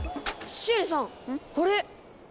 シエリさんあれ！